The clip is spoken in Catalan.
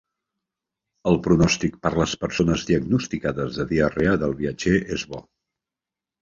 El pronòstic per les persones diagnosticades de diarrea del viatger és bo.